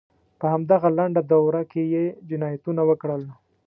په همدغه لنډه دوره کې یې جنایتونه وکړل.